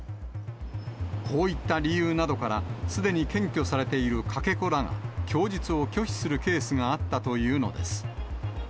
こういった理由などから、すでに検挙されているかけ子らが、供述を拒否するケースがあったというのです。